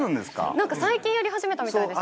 なんか最近やり始めたみたいです。